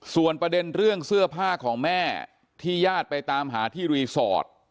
ส่วนประเด็นเรื่องเสื้อผ้าของแม่ที่ญาติไปตามหาที่รีสอร์ท